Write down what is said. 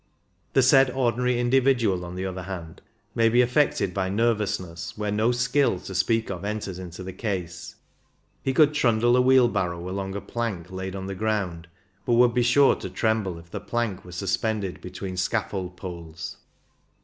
The said ordinary individual, on the other hand, may be affected by nervousness where no skill to speak of enters into the case ; he could trundle a wheelbarrow along a plank laid on the ground, but would be sure to tremble if the plank were suspended be tween scaffold poles.